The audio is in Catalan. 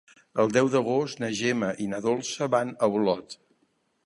El deu d'agost na Gemma i na Dolça van a Olot.